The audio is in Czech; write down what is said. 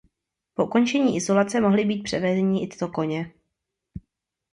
Po ukončení izolace mohli být převezeni i tito koně.